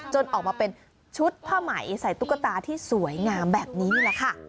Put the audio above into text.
ออกมาเป็นชุดผ้าไหมใส่ตุ๊กตาที่สวยงามแบบนี้นี่แหละค่ะ